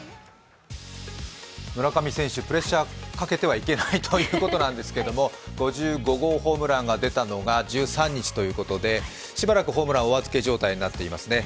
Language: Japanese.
村上選手、プレッシャーをかけてはいけないということなんですけど５５号ホームランが出たのが１３日ということでしばらくホームランお預け状態となっていますね。